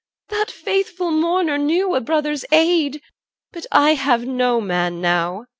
That faithful mourner knew A brother's aid. But I Have no man now.